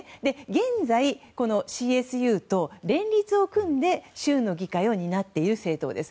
現在、ＣＳＵと連立を組んで州の議会を担っている政党です。